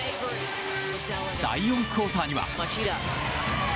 第４クオーターには。